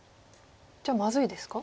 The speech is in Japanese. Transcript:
じゃあまずいですか？